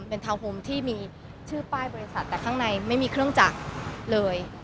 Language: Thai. เป็นทาวนโฮมที่มีชื่อป้ายบริษัทแต่ข้างในไม่มีเครื่องจักรเลย